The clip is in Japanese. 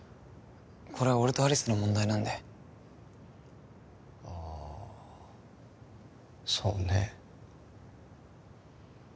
これは俺と有栖の問題なんでああそうね